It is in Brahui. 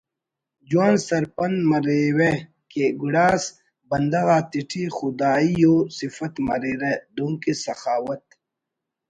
جوان سرپند مریوہ کہ گڑاس بندغ آتیٹی خدائی ءُ سفت مریرہ دنکہ سخاوت